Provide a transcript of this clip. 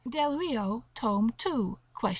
Delrio tom. 2. quest.